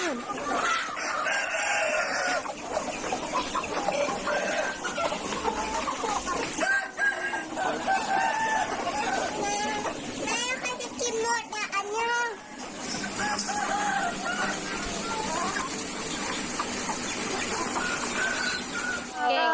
แม่แม่จะกินหมดเนี่ยอันนี้